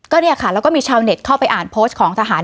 ก็เนี่ยค่ะแล้วก็มีชาวเน็ตเข้าไปอ่านโพสต์ของทหาร